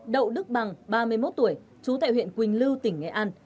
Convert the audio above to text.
đậu đức bằng ba mươi một tuổi trú tại huyện quỳnh lưu tỉnh nghệ an